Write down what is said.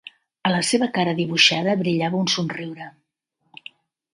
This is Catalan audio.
A la seva cara dibuixada brillava un somriure.